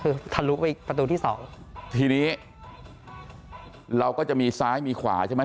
คือทะลุไปประตูที่สองทีนี้เราก็จะมีซ้ายมีขวาใช่ไหม